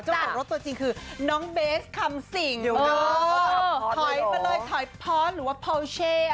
จ้าตัวจริงคือน้องเบสคำสิ่งอยู่เนอะโถยมาเลยหรือว่า